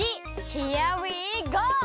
ヒアウィーゴー！